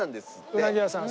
うなぎ屋さん。